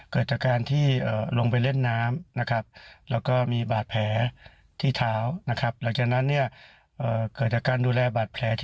เกิดจากการที่ลงไปเล่นน้ำนะครับ